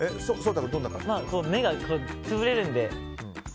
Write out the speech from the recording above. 目が潰れるので。